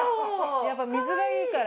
やっぱ水がいいから。